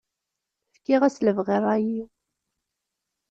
Fkiɣ-as lebɣi i ṛṛay-iw.